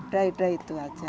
udah udah itu aja